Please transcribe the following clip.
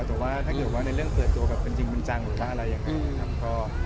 ถ้าเดียวว่าเรื่องเปิดตัวแบบเป็นจริงเป็นจังหรืออะไรแบบนั้น